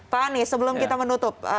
pak anies sebelum kita menutup